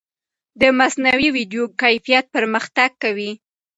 د مصنوعي ویډیو کیفیت پرمختګ کوي.